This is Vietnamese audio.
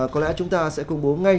có lẽ chúng ta sẽ công bố ngay